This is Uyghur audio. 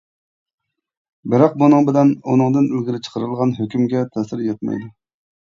بىراق بۇنىڭ بىلەن ئۇنىڭدىن ئىلگىرى چىقىرىلغان ھۆكۈمگە تەسىر يەتمەيدۇ.